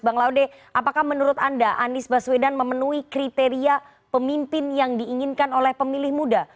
bang laude apakah menurut anda anies baswedan memenuhi kriteria pemimpin yang diinginkan oleh pemilih muda